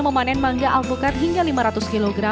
memanen mangga alpukat hingga lima ratus kg